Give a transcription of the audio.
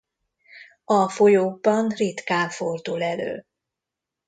A folyókban ritkán fordul elő.